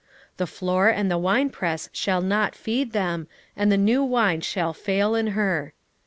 9:2 The floor and the winepress shall not feed them, and the new wine shall fail in her.